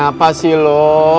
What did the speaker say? kenapa sih lo